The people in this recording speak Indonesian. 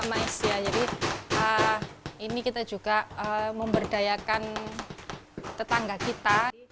ini juga maistia jadi ini kita juga memberdayakan tetangga kita